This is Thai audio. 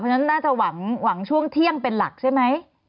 เพราะฉะนั้นน่าจะหวังช่วงเที่ยงเป็นหลักใช่ไหม